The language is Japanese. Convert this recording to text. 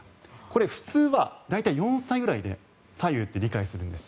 これ、普通は大体４歳ぐらいで左右って理解するんです。